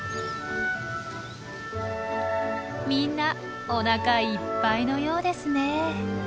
みんなおなかいっぱいのようですね。